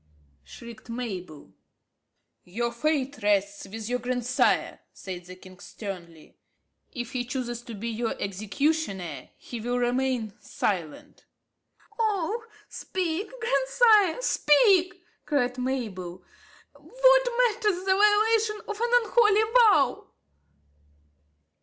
shrieked Mabel. "Your fate rests with your grandsire," said the king sternly. "If he chooses to be your executioner he will remain silent." "Oh, speak, grandsire, speak!" cried Mabel. "What matters the violation of an unholy vow?"